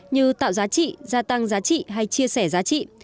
như tạo giá trị gia tăng giá trị hay chia sẻ giá trị